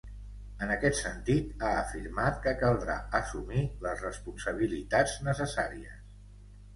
En aquest sentit, ha afirmat que caldrà assumir les responsabilitats necessàries.